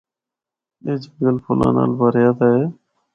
اے جنگل پھُلاں نال بھریا دا اے۔